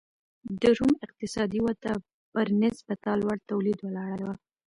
د روم اقتصادي وده پر نسبتا لوړ تولید ولاړه وه